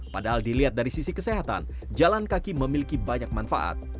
padahal dilihat dari sisi kesehatan jalan kaki memiliki banyak manfaat